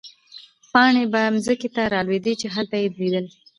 پاڼې به مځکې ته رالوېدې، چې هلته يې لیدل.